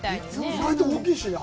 意外と大きいしね。